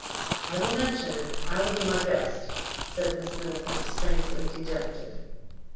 "I will mention it: I will do my best," said Miss Middleton, strangely dejected.